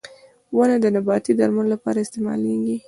• ونه د نباتي درملو لپاره استعمالېږي.